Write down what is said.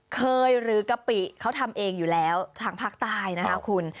เคยหรือกะปิเขาทำเองอยู่แล้วทางภาคใต้นะคะคุณ